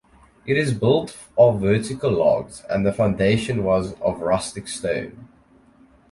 It is built of vertical logs and the foundation was of rustic stone.